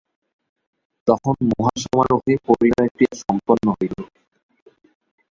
তখন মহাসমারোহে পরিণয়-ক্রিয়া সম্পন্ন হইত।